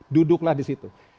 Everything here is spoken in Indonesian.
duduklah di situ